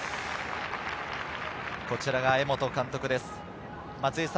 こちらが江本監督です。